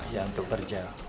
ya untuk kerja